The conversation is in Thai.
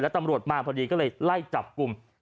ตำรวจมาพอดีก็เลยไล่จับกลุ่ม